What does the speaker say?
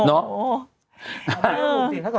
โอ้โฮ